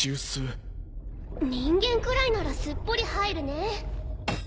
人間くらいならすっぽり入るね。